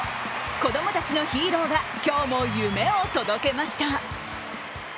子供たちのヒーローが今日も夢を届けました。